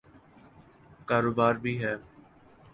کاروبار بھی ہے۔